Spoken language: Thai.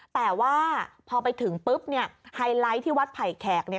แต่ว่าพอไปถึงปุ๊บเนี่ยไฮไลท์ที่วัดไผ่แขกเนี่ย